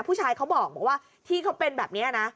เขาบอกว่าที่เขาเป็นแบบนี้นะ